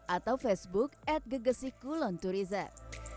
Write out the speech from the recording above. atau facebook at gegesik kulon tourism